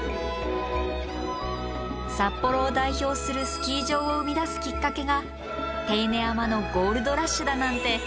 札幌を代表するスキー場を生み出すきっかけが手稲山のゴールドラッシュだなんて。